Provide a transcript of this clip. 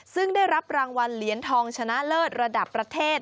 ซึ่งได้รับรางวัลเหรียญทองชนะเลิศระดับประเทศ